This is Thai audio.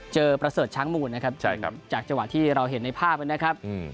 ประเสริฐช้างมูลนะครับจากจังหวะที่เราเห็นในภาพนะครับ